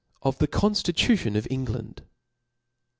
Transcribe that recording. Of the Conftitution ^England.